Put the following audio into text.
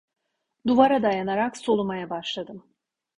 Duvara dayanarak solumaya başladım.